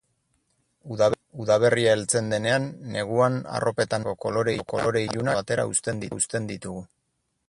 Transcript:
Udaberria heltzen denean, neguan arropetan erabilitako kolore ilunak alde batera uzten ditugu.